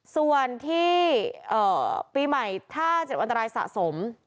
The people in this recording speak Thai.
ส่วนที่ปีใหม่ถ้า๗อันตรายสะสม